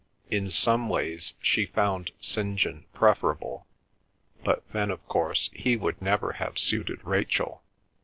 In some ways she found St. John preferable; but then, of course, he would never have suited Rachel.